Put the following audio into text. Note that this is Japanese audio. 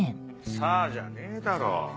「さぁ」じゃねえだろ。